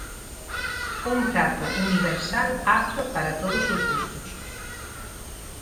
Un prato universal apto para todos os gustos.